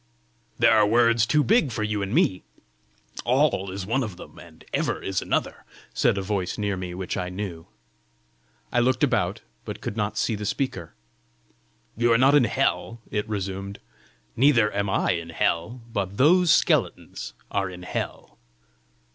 "There are words too big for you and me: ALL is one of them, and EVER is another," said a voice near me which I knew. I looked about, but could not see the speaker. "You are not in hell," it resumed. "Neither am I in hell. But those skeletons are in hell!"